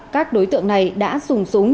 các đối tượng này đã sùng súng